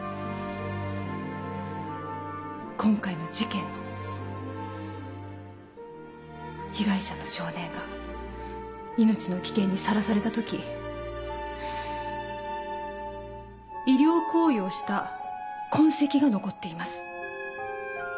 今回の事件の被害者の少年が命の危険にさらされたとき医療行為をした痕跡が残っています。